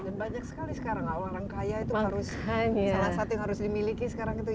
banyak sekali sekarang lah orang kaya itu harus salah satu yang harus dimiliki sekarang itu